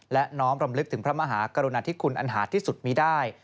และน้อมรำลึกถึงพระมหากรุณาธิคุณอันหาดที่สุดมีได้